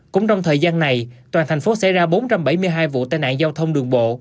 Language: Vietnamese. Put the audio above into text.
cũng trong thời gian này toàn thành phố xảy ra bốn trăm bảy mươi hai vụ tai nạn giao thông đường bộ